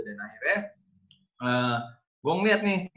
akhirnya gue ngeliat nih